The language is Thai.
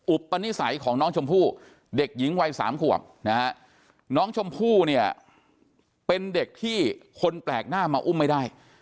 อุปนิสัยของน้องชมพู่เด็กหญิงวัย๓ขวบนะฮะน้องชมพู่เนี่ยเป็นเด็กที่คนแปลกหน้ามาอุ้มไม่ได้